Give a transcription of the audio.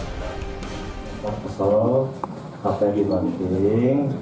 kepala kesehatan kesehatan di dalam piring